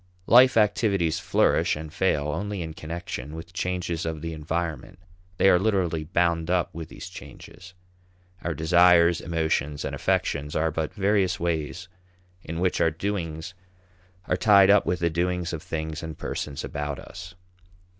Life activities flourish and fail only in connection with changes of the environment. They are literally bound up with these changes; our desires, emotions, and affections are but various ways in which our doings are tied up with the doings of things and persons about us.